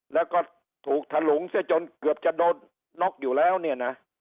แล้วก็ถูกถลุงเสียจนเกือบจะโดนน็อกอยู่แล้วเนี่ยนะ